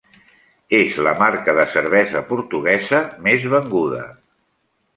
És la marca de cervesa portuguesa més venguda.